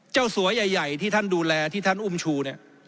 สัวใหญ่ที่ท่านดูแลที่ท่านอุ้มชูเนี่ย